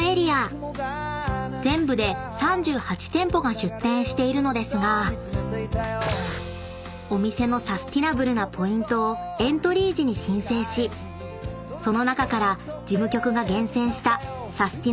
［全部で３８店舗が出店しているのですがお店のサスティナブルなポイントをエントリー時に申請しその中から事務局が厳選したサスティな！